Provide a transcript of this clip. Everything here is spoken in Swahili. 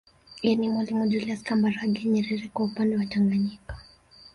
Yani Mwalimu Julius Kambarage Nyerere kwa upande wa Tanganyika